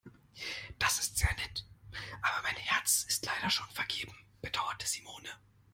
Das ist sehr nett, aber mein Herz ist leider schon vergeben, bedauerte Simone.